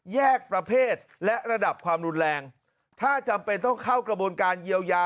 แยกประเภทและระดับความรุนแรงถ้าจำเป็นต้องเข้ากระบวนการเยียวยา